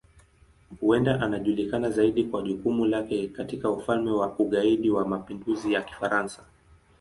Huenda anajulikana zaidi kwa jukumu lake katika Ufalme wa Ugaidi wa Mapinduzi ya Kifaransa.